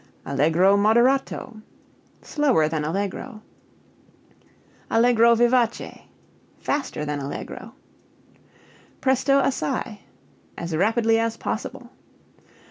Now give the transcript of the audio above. Allegro moderato slower than allegro. Allegro vivace faster than allegro. Presto assai as rapidly as possible.